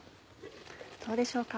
どうでしょうか？